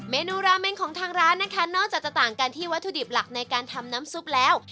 เมนูราเมนของทางร้านนะคะนอกจากจะต่างกันที่วัตถุดิบหลักในการทำน้ำซุปแล้ว